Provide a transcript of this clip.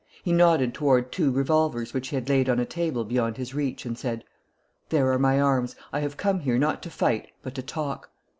He nodded toward two revolvers which he had laid on a table beyond his reach and said: "There are my arms. I have come here not to fight, but to talk."